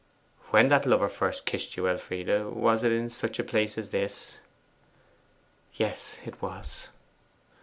'When that lover first kissed you, Elfride was it in such a place as this?' 'Yes, it was.